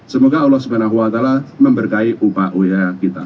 semoga allah swt memberkai upaya upaya kita